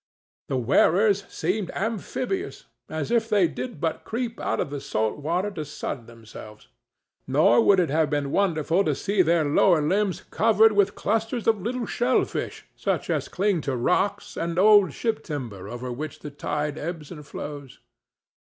The wearers seemed amphibious, as if they did but creep out of salt water to sun themselves; nor would it have been wonderful to see their lower limbs covered with clusters of little shellfish such as cling to rocks and old ship timber over which the tide ebbs and flows.